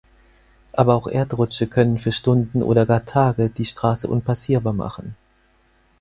Aber auch Erdrutsche können für Stunden oder gar Tage die Straße unpassierbar machen.